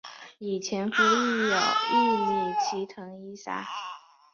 与前夫育有一女齐藤依纱。